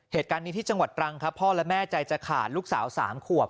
เหตุการณ์นี้ที่จังหวัดตรังครับพ่อและแม่ใจจะขาดลูกสาว๓ขวบ